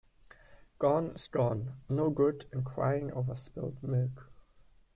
Gone is gone. No good in crying over spilt milk.